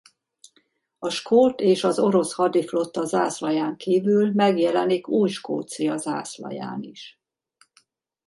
A skót és az orosz hadiflotta zászlaján kívül megjelenik Új-Skócia zászlaján is.